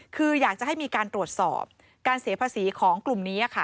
คืออยากจะให้มีการตรวจสอบการเสียภาษีของกลุ่มนี้ค่ะ